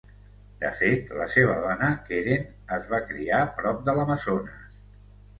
De fet, la seva dona, Keren, es va criar prop de l'Amazones.